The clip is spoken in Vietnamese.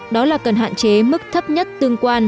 đó là cần hạn chế mức thấp nhất tương quan